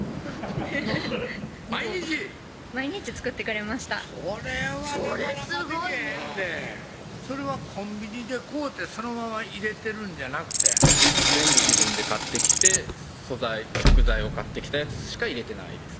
毎日⁉毎日作ってくれましたそれはなかなかできへんでそれはコンビニで買うてそのまま入れてるんじゃなくて全部自分で買ってきて食材を買ってきたやつしか入れてないです